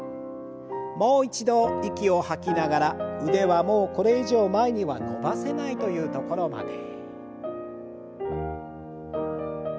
もう一度息を吐きながら腕はもうこれ以上前には伸ばせないという所まで。